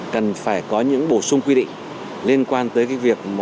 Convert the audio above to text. cần phải có những bổ sung quy định liên quan tới cái việc